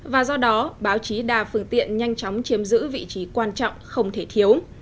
và do đó báo chí đa phương tiện nhanh chóng chiếm giữ vị trí quan trọng không thể thiếu